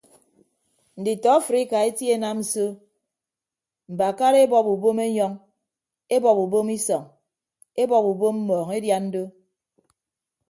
Nditọ afrika etie enam so mbakara ebọp ubom enyọñ ebọp ubom isọñ ebọp ubom mmọọñ edian do.